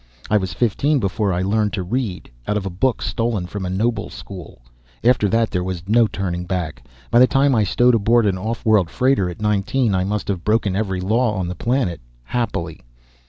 I was fifteen before I learned to read out of a book stolen from a noble school. After that there was no turning back. By the time I stowed aboard an off world freighter at nineteen I must have broken every law on the planet. Happily.